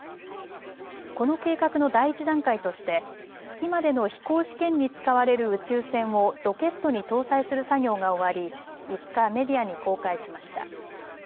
この計画の第一段階として月までの飛行試験に使われる宇宙船をロケットに搭載する作業が終わり５日、メディアに公開しました。